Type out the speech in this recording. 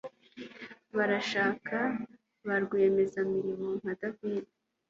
Barashaka ba rwiyemezamirimo nka David